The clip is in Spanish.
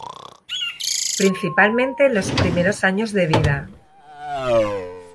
Principalmente en los primeros años de vida.